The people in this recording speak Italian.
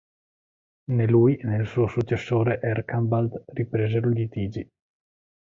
Né lui né il suo successore Erkanbald ripresero i litigi.